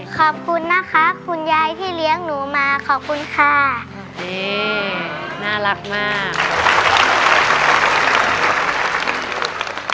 ขอบคุณนะคะคุณยายที่เลี้ยงหนูมาขอบคุณค่ะนี่น่ารักมาก